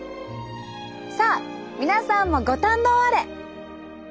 さあ皆さんもご堪能あれ！